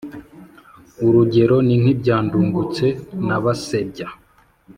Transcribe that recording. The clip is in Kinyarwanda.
urugero ni nk' ibya ndungutse na basebya